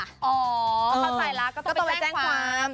อ๋อก็ต้องไปแจ้งความ